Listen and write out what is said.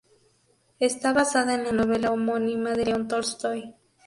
Está basada en la novela homónima de León Tolstói.